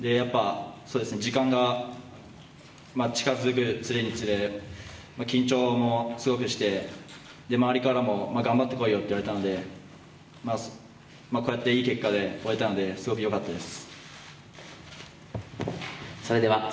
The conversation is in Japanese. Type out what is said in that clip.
時間が近づくにつれ、緊張もすごくして周りからも頑張ってこいよと言われたので、こうやって、いい結果で終えられたのですごくよかったです。